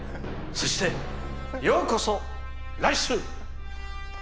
そして、ようこそ来週。